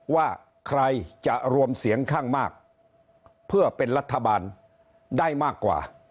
ว่าใครจะรวมเสียงข้างมากเพื่อเป็นรัฐบาลได้มากกว่า